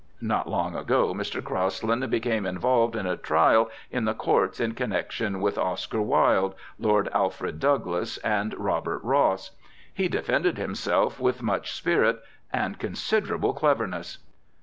Not long ago Mr. Crosland became involved in a trial in the courts in connection with Oscar Wilde, Lord Alfred Douglas and Robert Ross. He defended himself with much spirit and considerable cleverness.